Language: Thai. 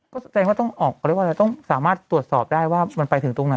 ก็แสดงว่าต้องออกเขาเรียกว่าอะไรต้องสามารถตรวจสอบได้ว่ามันไปถึงตรงไหน